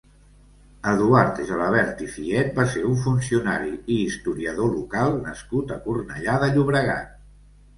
Eduard Gelabert i Fiet va ser un funcionari i historiador local nascut a Cornellà de Llobregat.